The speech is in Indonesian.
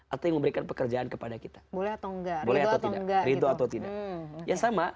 atau yang memberikan pekerjaan kepada kita boleh atau enggak boleh atau tidak ridho atau tidak ya sama